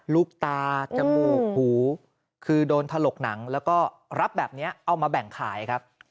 ลูกตาจมูกหูคือโดนถลกหนังแล้วก็รับแบบนี้เอามาแบ่งขายครับ